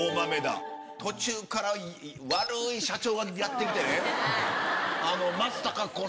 途中から悪い社長がやって来て。